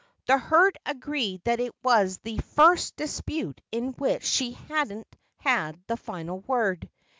The herd agreed that it was the first dispute in which she hadn't had the final word.